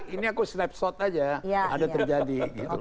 ini aku snapshot aja ada terjadi